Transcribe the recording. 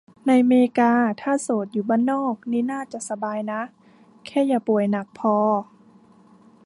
ในเมกา ถ้าโสด อยู่บ้านนอก นี่น่าจะสบายนะ แค่อย่าป่วยหนักพอ